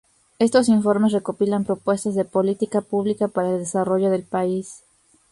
Estos informes recopilan propuestas de política pública para el desarrollo del país.